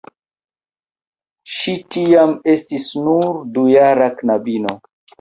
Ŝi tiam estis nur dujara knabino.